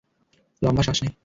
লম্বা শ্বাস নে।